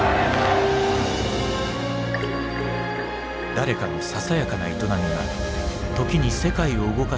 誰かのささやかな営みがときに世界を動かすことがある。